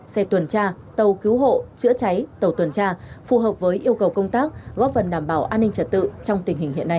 xe tuần tra tàu cứu hộ chữa cháy tàu tuần tra phù hợp với yêu cầu công tác góp phần đảm bảo an ninh trật tự trong tình hình hiện nay